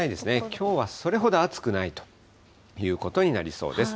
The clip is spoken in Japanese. きょうはそれほど暑くないということになりそうです。